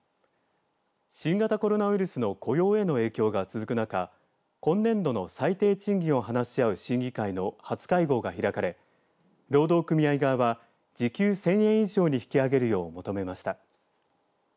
新型コロナウイルスの雇用への影響が続く中今年度の最低賃金を話し合う審議会の初会合が開かれ労働組合側は時給１０００円以上に引き上げるよう求めました。